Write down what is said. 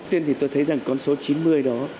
tiên thì tôi thấy rằng con số chín mươi đó